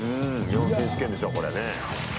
日本選手権でしょう、これね。